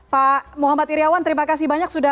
pak muhammad iryawan terima kasih banyak sudah